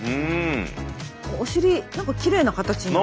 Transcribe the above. お尻何かきれいな形に。